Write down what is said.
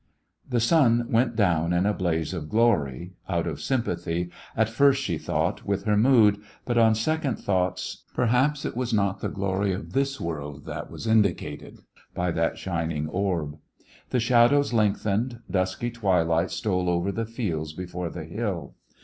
^ The sun went down in a blaze of glory, out of sympathy, at first she thought, with her mood, but on sec ond thoughts perhaps it was not the glory of this uTorld that was indicated by that shining orb. The shadows lengthened, dusky twilight stole over the fields before the hill.